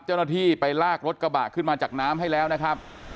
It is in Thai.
เจ้าหน้าที่ไปลากรถกระบะขึ้นมาจากน้ำให้แล้วนะครับ